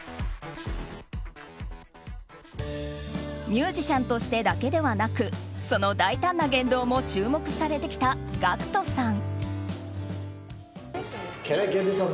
ミュージシャンとしてだけではなくその大胆な言動も注目されてきたＧＡＣＫＴさん。